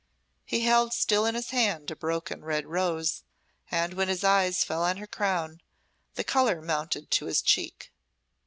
He held still in his hand a broken red rose, and when his eye fell on her crown the colour mounted to his cheek.